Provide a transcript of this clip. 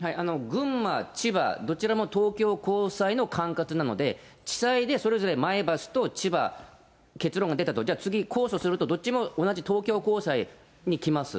群馬、千葉、どちらも東京高裁の管轄なので、地裁でそれぞれ、前橋と千葉、結論が出たと、次、控訴するとどっちも同じ東京高裁に来ます。